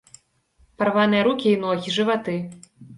Парваныя рукі і ногі, жываты.